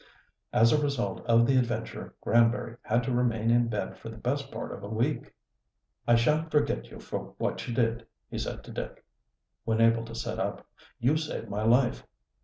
As a result of the adventure Granbury had to remain in bed for the best part of a week. "I shan't forget you for what you did," he said to Dick, when able to sit up. "You saved my life."